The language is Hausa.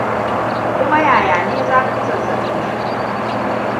Kuma yaya ne zafin zazzabin yake?